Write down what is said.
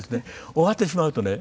終わってしまうとね